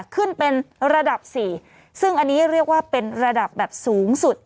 ขึ้นเป็นระดับสี่ซึ่งอันนี้เรียกว่าเป็นระดับแบบสูงสุด